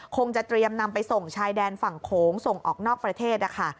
คงจะเตรียมนำไปส่งชายแดนฝั่งโขงส่งออกนอกประเทศนะคะ